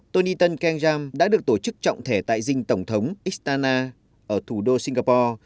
tony tân keng jam đã được tổ chức trọng thể tại dinh tổng thống istana ở thủ đô singapore